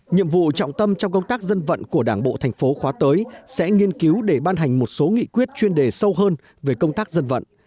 nhiệm vụ trọng tâm trong công tác dân vận của đảng bộ thành phố khóa tới sẽ nghiên cứu để ban hành một số nghị quyết chuyên đề sâu hơn về công tác dân vận